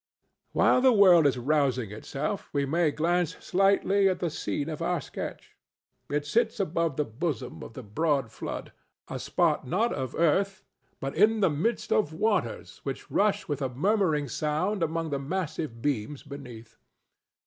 While the world is rousing itself we may glance slightly at the scene of our sketch. It sits above the bosom of the broad flood—a spot not of earth, but in the midst of waters which rush with a murmuring sound among the massive beams beneath.